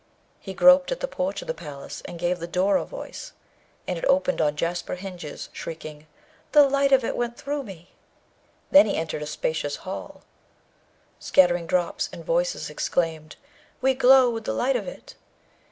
He groped at the porch of the palace, and gave the door a voice, and it opened on jasper hinges, shrieking, 'The light of it went through me.' Then he entered a spacious hall, scattering drops, and voices exclaimed, 'We glow with the light of it.'